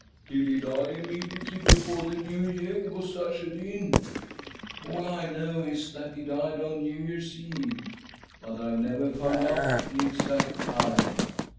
" Did he die immediately before the New Year was ushered in ?"" All I know is that he died on New Year's Eve, but I've never found out the exact time.